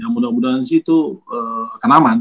mudah mudahan sih itu akan aman